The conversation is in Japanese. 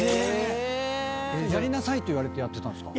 「やりなさい」って言われてやってたんですか？